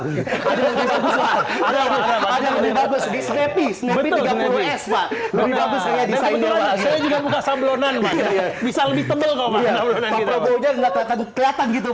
bisa lebih tembel